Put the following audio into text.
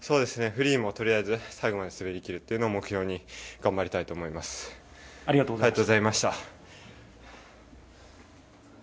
フリーもとりあえず最後まで滑り切ることを目標にありがとうございました。